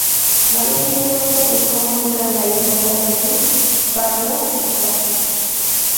Varias líneas de autobús comunican la isla con Tallin, Pärnu y Tartu.